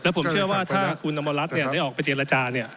แล้วผมเชื่อว่าถ้าคุณน้ำรัฐเนี้ยได้ออกไปเจรจาเนี้ย